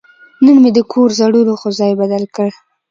نن مې د کور زړو لوښو ځای بدل کړ.